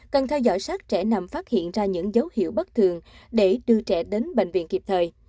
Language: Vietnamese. cần theo dõi sát trẻ nằm phát hiện ra những dấu hiệu bất thường để đưa trẻ đến bệnh viện kịp thời